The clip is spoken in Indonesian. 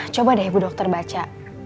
coba deh ibu dokter baca